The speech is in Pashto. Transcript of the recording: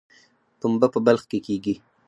پنبه په بلخ کې کیږي